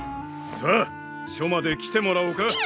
さあ署まで来てもらおうか。